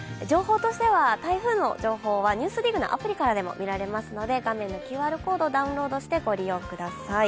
台風の情報は「ＮＥＷＳＤＩＧ」のアプリからも見られますので画面のＱＲコードをダウンロードしてご利用ください。